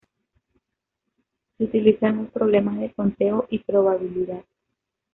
Se utiliza en los problemas de conteo y probabilidad.